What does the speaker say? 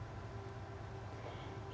tanda bintang jasa utama diberikan kepada mereka